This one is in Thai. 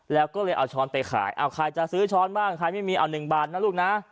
แล้วก็เลยเอาช้อนไปขายเอาใครจะซื้อช้อนบ้างใครไม่มีเอา๑บาทนะลูกนะ